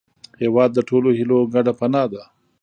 هېواد د ټولو هیلو ګډه پناه ده.